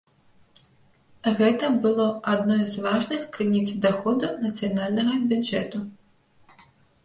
Гэта было адной з важных крыніц даходу нацыянальнага бюджэту.